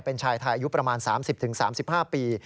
เป็นชายไทยอายุประมาณ๓๐๓๕ปี